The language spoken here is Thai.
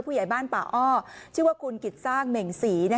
ผู้ใหญ่บ้านป่าอ้อชื่อว่าคุณกิจสร้างเหม่งศรี